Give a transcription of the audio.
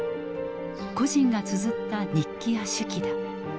個人がつづった日記や手記だ。